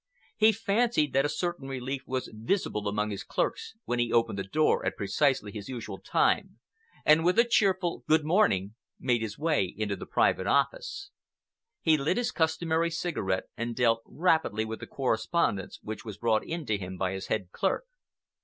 He fancied that a certain relief was visible among his clerks when he opened the door at precisely his usual time and with a cheerful "Good morning!" made his way into the private office. He lit his customary cigarette and dealt rapidly with the correspondence which was brought in to him by his head clerk.